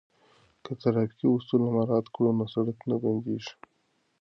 که ترافیکي اصول مراعات کړو نو سړک نه بندیږي.